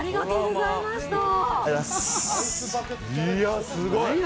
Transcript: いや、すごい。